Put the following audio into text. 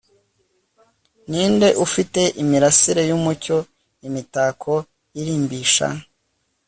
ninde ufite imirasire yumucyo imitako irimbisha